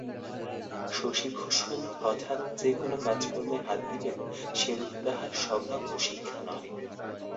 শশিভূষণ হঠাৎ যে কোনো কাজকর্মে হাত দিবেন, সেরূপ তাঁহার স্বভাব ও শিক্ষা নহে।